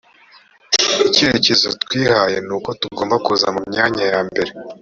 icyerekezo twihaye nuko tugomba kuza mu myanya ya mbere